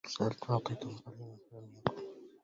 سألت فأعطيتم قليلا فلم يكن